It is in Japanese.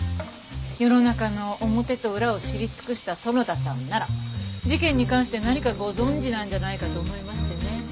世の中の表と裏を知り尽くした園田さんなら事件に関して何かご存じなんじゃないかと思いましてね。